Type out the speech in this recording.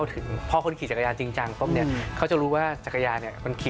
คุณผู้ชมไม่เจนเลยค่ะถ้าลูกคุณออกมาได้มั้ยคะ